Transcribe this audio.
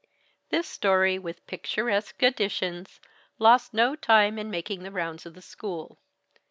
This story, with picturesque additions, lost no time in making the rounds of the school.